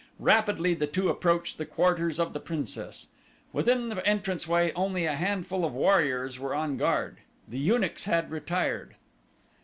Rapidly the two approached the quarters of the princess. Within the entrance way only a handful of warriors were on guard. The eunuchs had retired.